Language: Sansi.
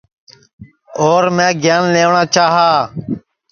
اور میں گیان لئیوٹؔا چاہی